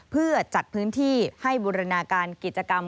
เพื่อจัดพื้นที่ให้บูรณาการกิจกรรม